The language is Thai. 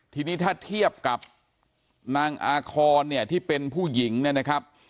ทีนี้ถ้าเทียบกับนางอาคอนเนี่ยที่เป็นผู้หญิงเนี่ยนะครับ